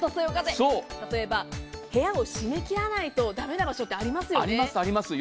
例えば部屋を締め切らないと駄目な場所ってありますよね。